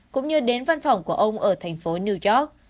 cũng như đến văn phòng của ông ở thành phố new york